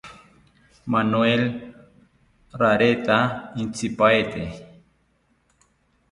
Manuel rareta intzipaete